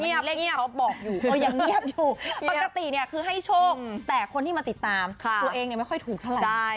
อย่างเงียบปกติเนี่ยคือให้โชคแต่คนที่มาติดตามตัวเองเนี่ยไม่ค่อยถูกเท่าไหร่